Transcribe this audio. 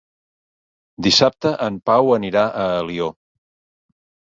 Dissabte en Pau anirà a Alió.